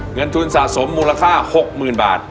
เงินทุนสะสมมูลค่า๖๐๐๐บาท